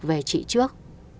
về chị trước